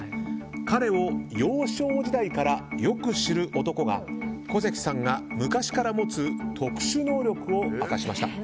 彼を幼少時代からよく知る男が小関さんが昔から持つ特殊能力を明かしました。